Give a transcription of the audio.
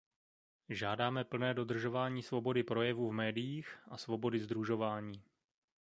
Žádáme plné dodržování svobody projevu v médiích a svobody sdružování.